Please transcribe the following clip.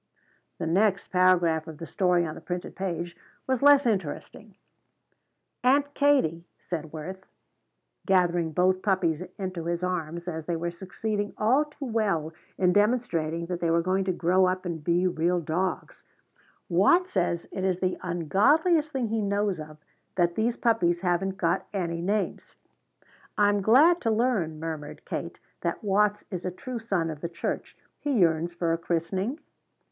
The next paragraph of the story on the printed page was less interesting. "Aunt Kate," said Worth, gathering both puppies into his arms as they were succeeding all too well in demonstrating that they were going to grow up and be real dogs, "Watts says it is the ungodliest thing he knows of that these puppies haven't got any names." "I am glad to learn," murmured Kate, "that Watts is a true son of the church. He yearns for a christening?"